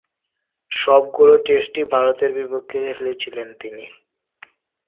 সবগুলো টেস্টই ভারতের বিপক্ষে খেলেছিলেন তিনি।